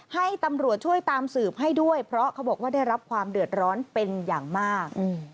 ให้ตำรวจช่วยตามสืบให้ด้วยเพราะเขาบอกว่าได้รับความเดือดร้อนเป็นอย่างมาก